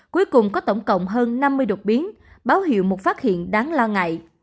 cuối cùng có tổng cộng hơn năm mươi đột biến báo hiệu một phát hiện đáng lo ngại